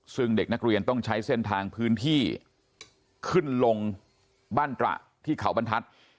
ซึ่งเด็กนักเรียนต้องใช้เส้นทางพื้นที่ขึ้นลงบ้านตระที่เขาบรรทัศน์